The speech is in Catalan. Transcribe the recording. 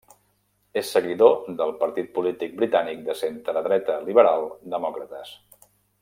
És seguidor del partit polític britànic de centredreta Liberal Demòcrates.